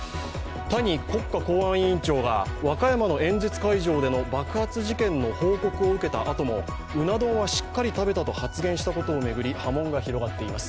谷国会公安委員長が和歌山の演説会場での爆発事件の報告を受けたあとでもうな丼はしっかり食べたと発言したことを巡り波紋が広がっています。